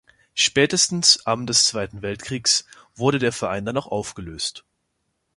Spätestens am des Zweiten Weltkriegs wurde der Verein dann auch aufgelöst.